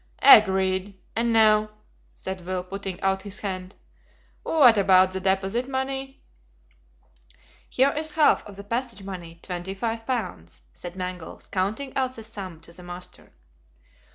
"Agreed. And now," said Will, putting out his hand, "what about the deposit money?" "Here is half of the passage money, twenty five pounds," said Mangles, counting out the sum to the master.